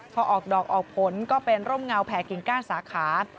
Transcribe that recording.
พอออกดอกออกผลก็เป็นร่มเงาแผ่กิ่งก้านสาขา